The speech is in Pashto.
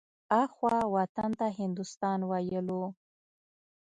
اخوا وطن ته هندوستان ويلو.